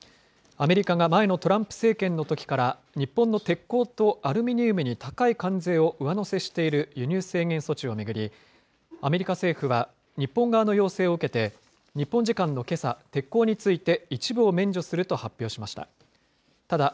アメリカが前のトランプ政権のときから、日本の鉄鋼とアルミニウムに高い関税を上乗せしている輸入制限措置を巡り、アメリカ政府は日本側の要請を受けて、日本時間のけさ、鉄鋼について一部を免除すると発表しました。